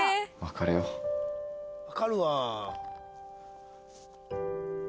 わかるわ！